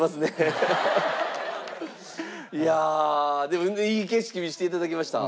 いやでもいい景色見せて頂きました。